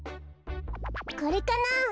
これかなあ？